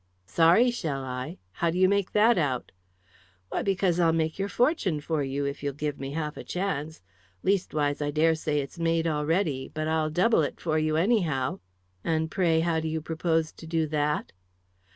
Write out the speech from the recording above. "Sorry, shall I? How do you make that out?" "Why, because I'll make your fortune for you if you'll give me half a chance leastways, I daresay it's made already, but I'll double it for you, anyhow." "And pray how do you propose to do that?"